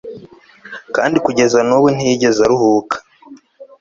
kandi kugeza n'ubu ntiyigeze aruhuka